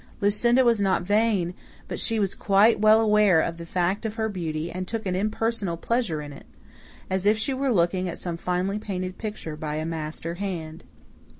Lucinda was not vain, but she was quite well aware of the fact of her beauty and took an impersonal pleasure in it, as if she were looking at some finely painted picture by a master hand.